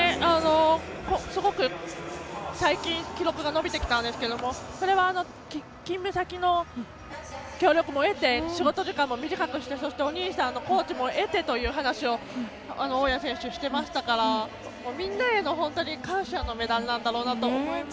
すごく最近記録が伸びてきたんですけれどもそれは、勤務先の協力も得て仕事時間も短くしてお兄さんのコーチも得てという話を大矢選手していましたからみんなへの感謝のメダルだと思います。